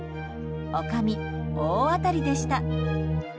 おかみ、大当たりでした！